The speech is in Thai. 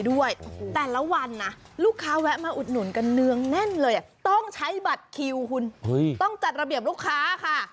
แต่ละวันนะลูกค้าแวะมาอุดหนุนกันเนืองแน่นเลยต้องใช้บัตรคิวคุณต้องจัดระเบียบลูกค้าค่ะ